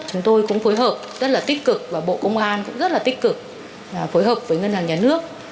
chúng tôi cũng phối hợp rất là tích cực và bộ công an cũng rất là tích cực phối hợp với ngân hàng nhà nước